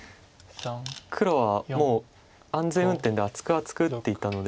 黒はもう安全運転で厚く厚く打っていたので。